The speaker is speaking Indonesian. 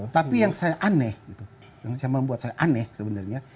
tapi yang saya aneh gitu yang membuat saya aneh sebenarnya